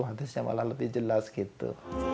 hati hati malah lebih jelas gitu